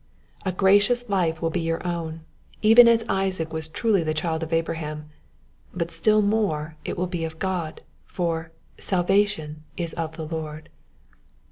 A gracious life will be your own, even as Isaac was truly the child of Abraham ; but still more it will be of God ; for " Salvation is of the Lord."